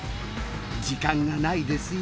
時間がないですよ